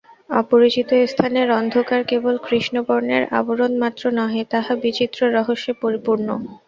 অপরিচিত স্থানের অন্ধকার কেবল কৃষ্ণবর্ণের আবরণ মাত্র নহে, তাহা বিচিত্র রহস্যে পরিপূর্ণ।